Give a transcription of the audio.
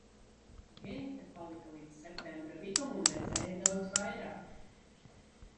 Genita palika līdz septembra vidum un redzēja daudz vairāk.